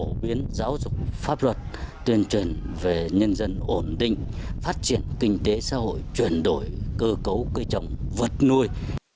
phổ biến giáo dục pháp luật tuyên truyền về nhân dân ổn định phát triển kinh tế xã hội chuyển đổi cơ cấu cây trồng vật nuôi